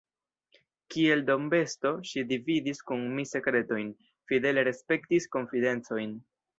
Kiel dombesto, ŝi dividis kun mi sekretojn, fidele respektis konfidencojn.